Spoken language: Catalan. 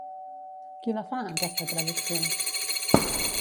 Qui la fa, aquesta traducció?